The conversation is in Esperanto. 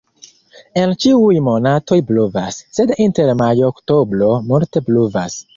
En ĉiuj monatoj pluvas, sed inter majo-oktobro multe pluvas.